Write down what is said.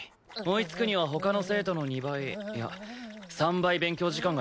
追いつくには他の生徒の２倍いや３倍勉強時間が必要だ。